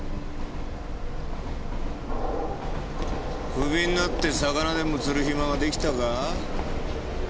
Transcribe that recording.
クビになって魚でも釣る暇が出来たか？